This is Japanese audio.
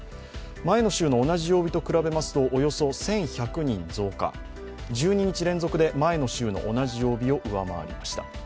前の週の同じ曜日と比べますとおよそ１１００人増加、１２日連続で前の週の同じ曜日を上回りました。